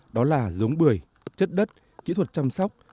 đó là giống bưởi chất đất kỹ thuật chăm sóc